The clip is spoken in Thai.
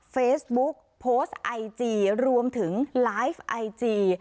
เฟซบุ๊กโพสต์ไอจีรวมถึงไลฟ์ไอจี